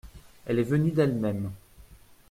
Elle est venue d’elle-même.